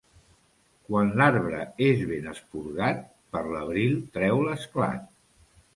Quan l'arbre és ben esporgat, per l'abril treu l'esclat.